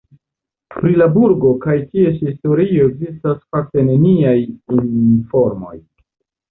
Pri la burgo kaj ties historio ekzistas fakte neniaj informoj.